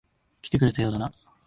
来てくれたようだな。